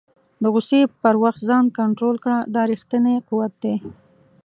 د غوسې پر وخت ځان کنټرول کړه، دا ریښتنی قوت دی.